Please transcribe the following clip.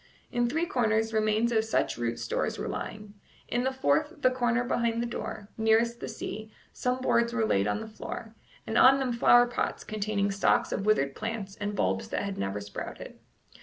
In three corners remains of such root stores were lying; in the fourth, the corner behind the door, nearest the sea, some boards were laid on the floor, and on them flower pots containing stalks of withered plants and bulbs that had never sprouted.